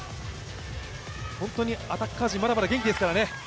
アタッカー陣、まだまだ元気ですからね。